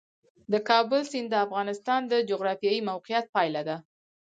د کابل سیند د افغانستان د جغرافیایي موقیعت پایله ده.